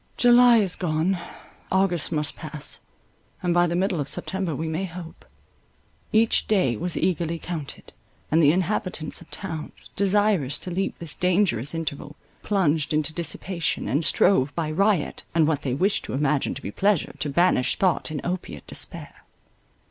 July is gone. August must pass, and by the middle of September we may hope. Each day was eagerly counted; and the inhabitants of towns, desirous to leap this dangerous interval, plunged into dissipation, and strove, by riot, and what they wished to imagine to be pleasure, to banish thought and opiate despair.